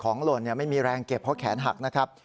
หล่นไม่มีแรงเก็บเพราะแขนหักนะครับ